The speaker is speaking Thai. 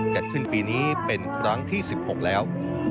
จัดขึ้นปีนี้เป็นครั้งที่๑๖แล้ว